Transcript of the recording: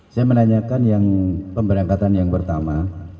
saya menanyakan yang pemberangkatan yang pertama